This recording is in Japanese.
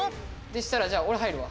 したらじゃあおれ入るわ。